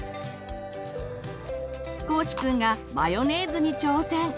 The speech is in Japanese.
こうしくんがマヨネーズに挑戦！